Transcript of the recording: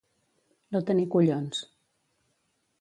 No tenir collons.